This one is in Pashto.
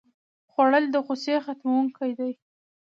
خوړل د غوسې ختموونکی دی